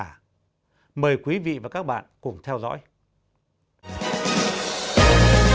chương trình hôm nay xin chuyển đến quý vị và các bạn phần trích từ hai kỳ đầu của loạt bài đăng bốn kỳ trên báo nhân dân có tiêu đề chung là